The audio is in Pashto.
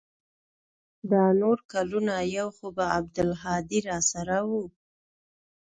دا نور کلونه يو خو به عبدالهادي راسره و.